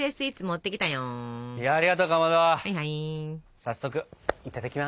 早速いただきます。